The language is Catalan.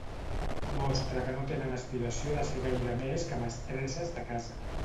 Mostra que no tenen aspiració de ser gaire més que mestresses de casa.